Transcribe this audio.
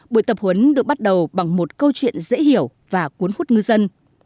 buổi tập huấn được bắt đầu bằng một câu chuyện dễ hiểu và cuốn hút ngư dân